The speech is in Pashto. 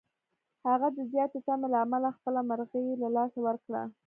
هغه د زیاتې تمې له امله خپله مرغۍ له لاسه ورکړه.